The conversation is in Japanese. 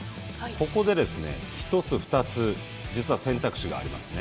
ここで１つ、２つ選択肢がありますね。